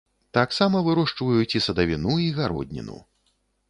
Таксама вырошчваюць і садавіну, і гародніну.